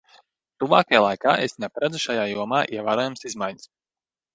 Tuvākajā laikā es neparedzu šajā jomā ievērojamas izmaiņas.